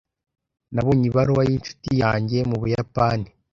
Nabonye ibaruwa yincuti yanjye mu Buyapani.